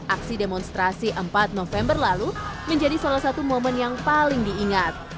aksi demonstrasi empat november lalu menjadi salah satu momen yang paling diingat